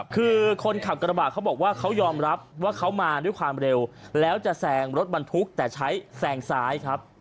คือคนขับกระบะเขาบอกว่าเขายอมรับว่าเขามาด้วยความเร็วแล้วจะแซงรถบรรทุกแต่ใช้แซงซ้ายครับ